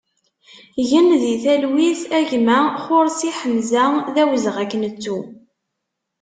Gen di talwit a gma Xorsi Ḥemza, d awezɣi ad k-nettu!